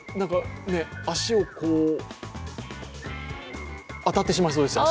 足に当たってしまいそうです。